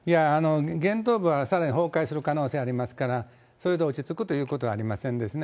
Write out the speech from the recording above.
げんとう部はさらに崩壊する可能性がありますから、それで落ち着くということはありませんですね。